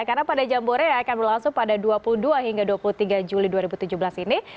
karena pada jamboreh akan berlangsung pada dua puluh dua hingga dua puluh tiga juli dua ribu tujuh belas ini